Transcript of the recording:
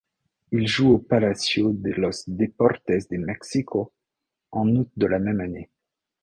Ils jouent au Palacio de los Deportes de Mexico en août la même année.